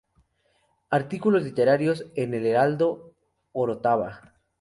Artículos literarios en el Heraldo Orotava.